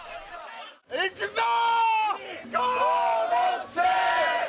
いくぞー！